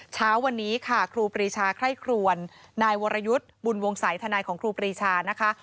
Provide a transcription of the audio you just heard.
เช้าวันนี้ค่ะครูปรีชาไข้ครวลไวรรายุทรบุญวงสัยธนาคทของครูปรีชานะคะ